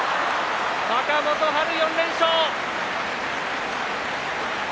若元春４連勝。